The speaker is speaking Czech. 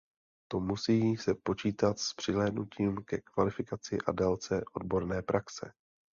To musí se počítat s přihlédnutím ke kvalifikaci a délce odborné praxe.